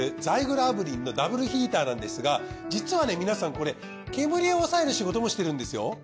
ザイグル炙輪のダブルヒーターなんですが実はね皆さんこれ煙を抑える仕事もしてるんですよ。